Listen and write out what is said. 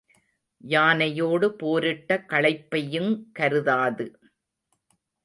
யானையோடு போரிட்ட களைப்பையுங் கருதாது.